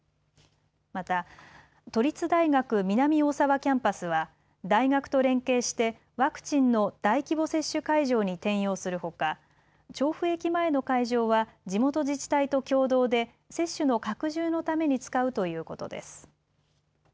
また都立大学南大沢キャンパスは大学と連携してワクチンの大規模接種会場に転用するほか調布駅前の会場は地元自治体と共同で接種の拡充のために使うということです。